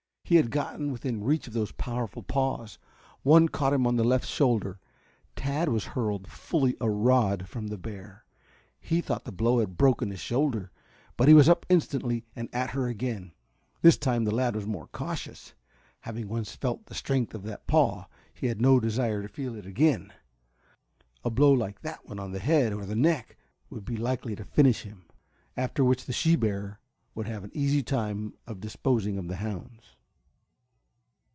He had got within reach of those powerful paws. One caught him on the left shoulder. Tad was hurled fully a rod from the bear. He thought the blow had broken his shoulder, but he was up instantly and at her again. This time the lad was more cautious. Having once felt the strength of that paw, he had no desire to feel it again. A blow like that one the head or the neck would be likely to finish him, after which the she bear would have an easy time of disposing of the hounds.